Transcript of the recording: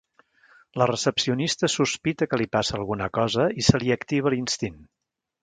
La recepcionista sospita que li passa alguna cosa i se li activa l'instint.